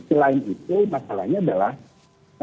selain itu masalahnya adalah